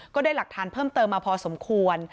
ก็ได้หลักฐานเพิ่มเติมมาพอสมควร